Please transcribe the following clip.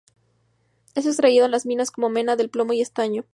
Es extraído en las minas como mena del plomo y estaño.